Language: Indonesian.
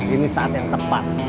ini saat yang tepat